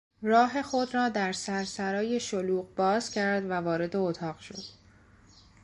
راه خود را در سرسرای شلوغ باز کرد و وارد اتاق شد.